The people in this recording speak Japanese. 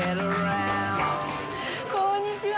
こんにちは。